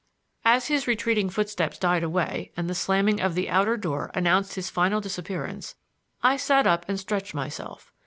As his retreating footsteps died away and the slamming of the outer door announced his final disappearance, I sat up and stretched myself.